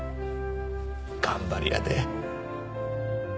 頑張り屋で。